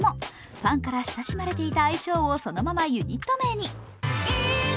ファンから親しまれていた愛称をそのままユニット名に。